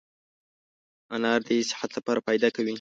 انار دي صحت لپاره فایده کوي